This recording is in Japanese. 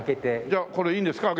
じゃあこれいいんですか？